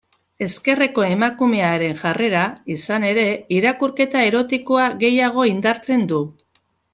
Ezkerreko emakumearen jarrera, izan ere, irakurketa erotikoa gehiago indartzen du.